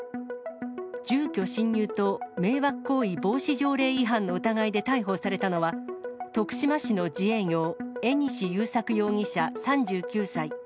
住居侵入と迷惑行為防止条例違反の疑いで逮捕されたのは、徳島市の自営業、江西祐作容疑者３９歳。